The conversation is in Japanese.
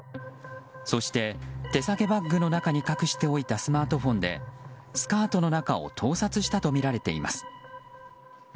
そして、手提げバッグの中に隠しておいたスマートフォンでスカートの中を盗撮したとみられています。